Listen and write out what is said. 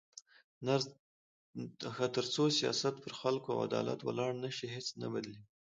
تر څو سیاست پر خلکو او عدالت ولاړ نه شي، هیڅ نه بدلېږي.